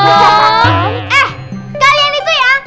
eh kalian itu ya